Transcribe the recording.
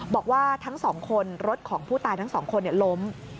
บอกว่าทั้งสองคนรถของผู้ตายทั้งสองคนล้ม